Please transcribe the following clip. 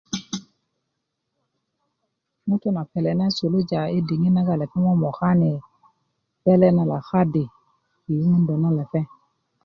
ŋutu na pele na suluja i diŋit nagoŋ lepeŋ momokani pele na lakadi i yuŋundö na lepeŋ